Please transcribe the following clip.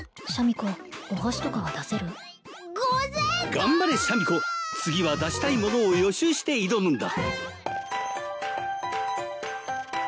頑張れシャミ子次は出したいものを予習して挑むんだ